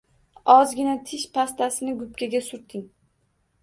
Ozgina tish pastasini gupkaga surting.